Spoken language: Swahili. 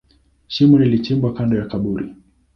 Shimo lilichimbwa kando ya kaburi.